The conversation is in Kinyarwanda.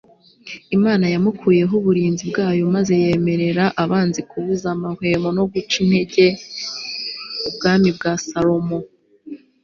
imana yamukuyeho uburinzi bwayo maze yemerera abanzi kubuza amahwemo no guca integer ubwami bwa salomo